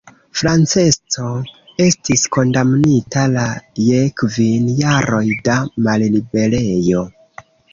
Francesco estis kondamnita la je kvin jaroj da malliberejo.